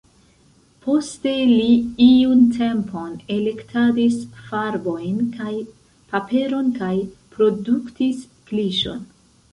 Poste li iun tempon elektadis farbojn kaj paperon kaj produktis kliŝon.